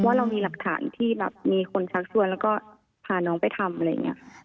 ว่าเรามีหลักฐานที่แบบมีคนชักชวนแล้วก็พาน้องไปทำอะไรอย่างนี้